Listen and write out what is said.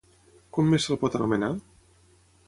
Com més se'l pot anomenar?